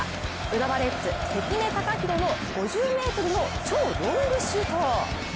浦和レッズ・関根貴大の５０ｍの超ロングシュート。